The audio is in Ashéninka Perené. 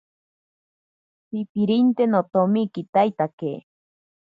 Pipirinte notomi kitaitake.